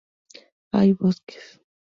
Hay bosques.